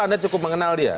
anda cukup mengenal dia